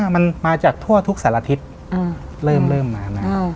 มันมาจากทั่วทุกสารทิศเริ่มมานะ